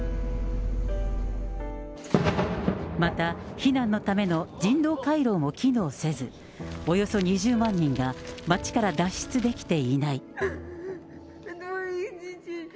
また、避難のための人道回廊も機能せず、およそ２０万人が、町から脱出できていない。